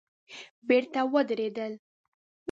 بېرته ودرېدل.